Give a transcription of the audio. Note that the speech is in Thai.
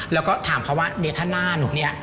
แล้วก็ถามเขาว่าเนธานาหนูนี่